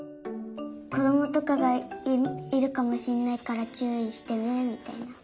こどもとかがいるかもしれないからちゅういしてねみたいな。